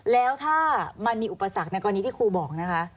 แล้วถ้ามันมีอุปสรรคในกรณีที่ครูบอกนะคะ